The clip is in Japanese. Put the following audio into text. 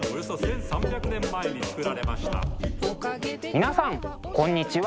皆さんこんにちは。